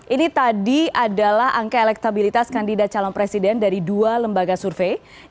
ini tadi adalah angka elektabilitas kandidat calon presiden dari dua lembaga survei